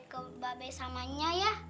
ke babai samanya ya